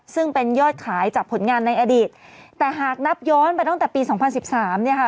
ซึ่งเป็นยอดขายจากผลงานในอดีตแต่หากนับย้อนไปตั้งแต่ปีสองพันสิบสามเนี่ยค่ะ